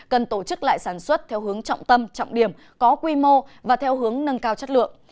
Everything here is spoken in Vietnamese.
cần tổ chức lại sản xuất theo hướng trọng tâm trọng điểm có quy mô và theo hướng nâng cao chất lượng